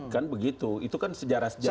kan begitu itu kan sejarah sejarah